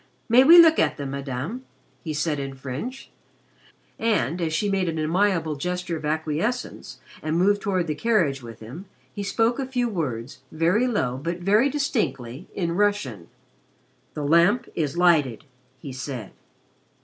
"May we look at them, Madame?" he said in French, and, as she made an amiable gesture of acquiescence and moved toward the carriage with him, he spoke a few words, very low but very distinctly, in Russian. "The Lamp is lighted," he said.